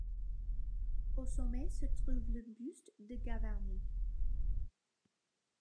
Au sommet se trouve le buste de Gavarni.